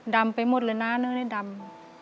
ดำไปหมดเลยนะเนื้อในดำ